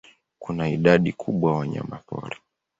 Kuna idadi kubwa ya wanyamapori.